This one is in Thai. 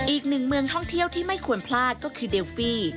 อีกหนึ่งเมืองท่องเที่ยวที่ไม่ควรพลาดก็คือเดลฟี่